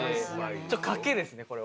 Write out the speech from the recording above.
ちょっと賭けですねこれは。